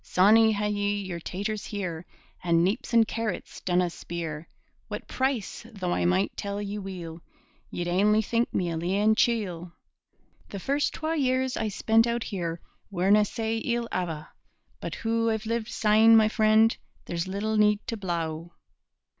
Sawney, had ye yer taters here And neeps and carrots dinna speer What price; though I might tell ye weel, Ye'd ainly think me a leein' chiel. The first twa years I spent out here Werena sae ill ava'; But hoo I've lived syne; my freend, There's little need to blaw.